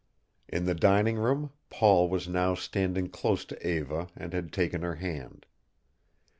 In the dining room Paul was now standing close to Eva and had taken her hand.